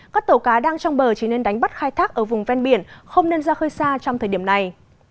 các tàu cá đang trong bờ chỉ nên đánh bắt khai thác ở vùng ven biển không nên ra khơi xa trong thời điểm này